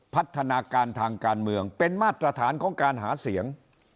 พัฒนาการทางการเมืองเป็นมาตรฐานของการหาเสียง